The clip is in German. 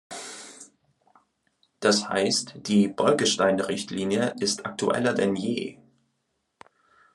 Das heißt, die Bolkestein-Richtlinie ist aktueller denn je!